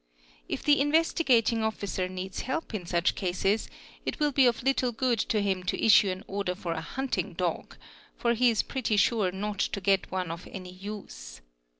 If the Investigating Officer needs help — in such cases it will be of little good to him to issue an order for a hunting dog, for he is pretty sure not to get one of any use.